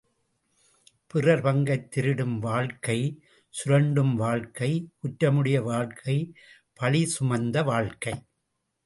பிறர் பங்கைத் திருடும் வாழ்க்கை சுரண்டும் வாழ்க்கை குற்றமுடைய வாழ்க்கை பழிசுமந்த வாழ்க்கை.